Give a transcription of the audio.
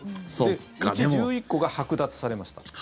うち１１個がはく奪されました。